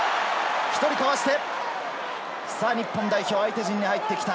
１人かわして、日本代表、相手陣に入ってきた。